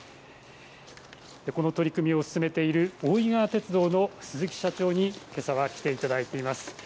この取り組みを進めている、大井川鉄道の鈴木社長にけさは来ていただいています。